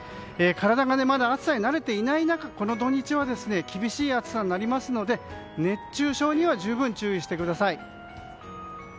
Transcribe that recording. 体がまだ暑さに慣れていない中この土日は厳しい暑さになりますので熱中症には十分注意してください。